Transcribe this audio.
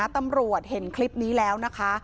ตำรวจเห็นคลิปนี้แล้วนะคะ